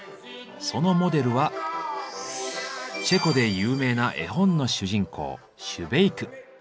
そのモデルはチェコで有名な絵本の主人公シュベイク。